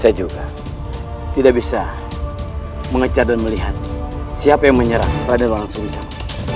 saya juga tidak bisa mengecat dan melihat siapa yang menyerang raden walang sungisawa